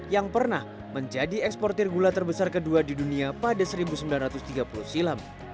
yang pernah menjadi eksportir gula terbesar kedua di dunia pada seribu sembilan ratus tiga puluh silam